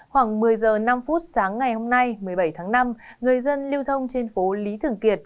khoảng một mươi h năm sáng ngày hôm nay một mươi bảy tháng năm người dân lưu thông trên phố lý thường kiệt